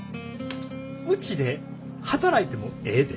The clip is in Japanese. ウチで働いてもええで。